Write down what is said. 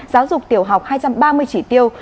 giáo dục tiểu học hai trăm ba mươi chỉ tiêu